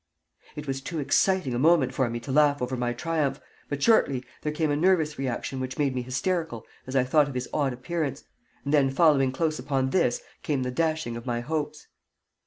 It was too exciting a moment for me to laugh over my triumph, but shortly there came a nervous reaction which made me hysterical as I thought of his odd appearance; and then following close upon this came the dashing of my hopes.